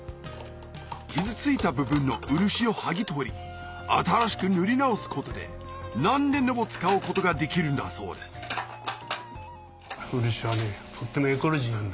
傷ついた部分の漆を剥ぎ取り新しく塗り直すことで何年でも使うことができるんだそうですお。